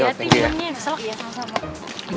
ya tinggal minum ya